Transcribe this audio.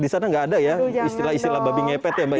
di sana nggak ada ya istilah istilah babi ngepet ya mbak ya